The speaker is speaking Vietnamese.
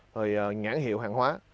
rồi nhãn hiệu hàng hóa